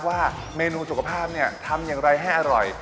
ว่าเมนูสุขภาพเนี่ยทำอย่างไรให้อร่อย